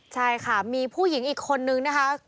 ใช่ค่ะมีผู้หญิงอีกคนนึงนะคะ